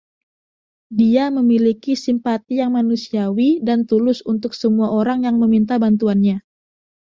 Dia memiliki simpati yang manusiawi dan tulus untuk semua orang yang meminta bantuannya.